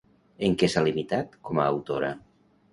En què s'ha limitat com a autora?